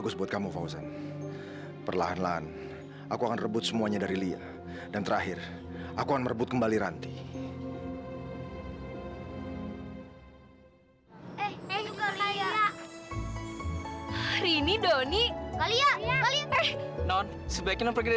sampai jumpa di video selanjutnya